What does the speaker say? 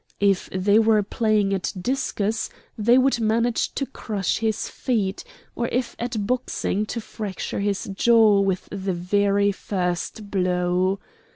If they were playing at discus, they would manage to crush his feet, or if at boxing to fracture his jaw with the very first blow.